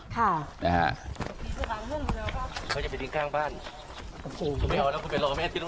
ค่ะนะฮะเขาจะหลีงข้างบ้าน